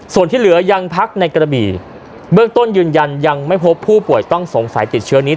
ส่วนที่เหลือยังพักในกระบี่เบื้องต้นยืนยันยังไม่พบผู้ป่วยต้องสงสัยติดเชื้อนี้